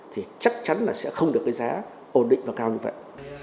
thì chắc chắn là sẽ không được cái giá ổn định và cao như vậy